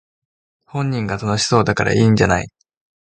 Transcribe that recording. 本人が楽しそうだからいいんじゃない